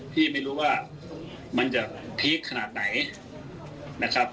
พี่ไม่รู้ว่ามันจะพีคขนาดไหนนะครับ